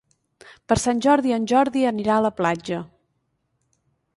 Per Sant Jordi en Jordi anirà a la platja.